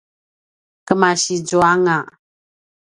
kemasi zuanga